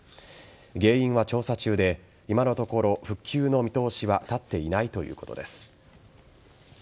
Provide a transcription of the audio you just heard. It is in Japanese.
原因は調査中で、今のところ復旧の見通しは立っていないということです。